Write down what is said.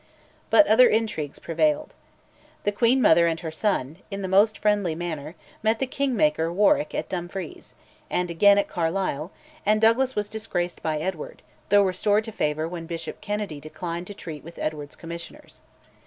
But other intrigues prevailed. The queen mother and her son, in the most friendly manner, met the kingmaker Warwick at Dumfries, and again at Carlisle, and Douglas was disgraced by Edward, though restored to favour when Bishop Kennedy declined to treat with Edward's commissioners.